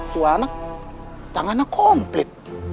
tua anak tangannya komplit